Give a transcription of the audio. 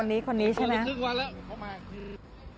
คนนี้ครึ่งวันแล้วเข้ามา